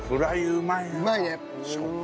うまいわ。